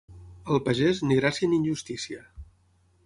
Al pagès, ni gràcia ni injustícia.